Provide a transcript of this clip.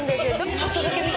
ちょっとだけ見てもいい？